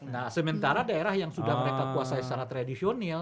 nah sementara daerah yang sudah mereka kuasai secara tradisional